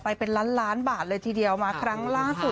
ไม่ต้องการยายตั้งนั้น